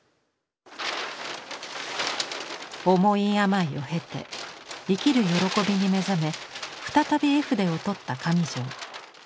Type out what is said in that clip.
重い病を経て生きる喜びに目覚め再び絵筆を取った上條。